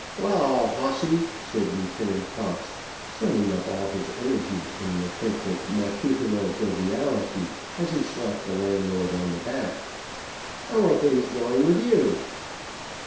"Well, old Hossy," said Lieutenant Cox, summing up all his energy in an attempt at matutinal joviality as he slapped the landlord on the back, "how are things going with you?"